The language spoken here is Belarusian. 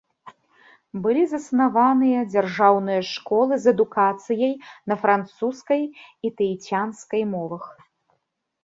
Былі заснаваны дзяржаўныя школы з адукацыяй на французскай і таіцянскай мовах.